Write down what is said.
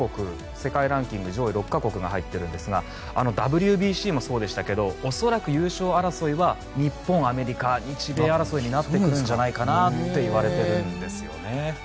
世界ランキング上位６か国が入っているんですがＷＢＣもそうでしたが恐らく優勝争いは日本、アメリカ日米争いになってくるんじゃないかなといわれているんですよね。